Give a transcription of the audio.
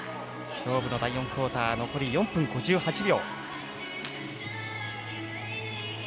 勝負の第４クオーター残り４分５８秒。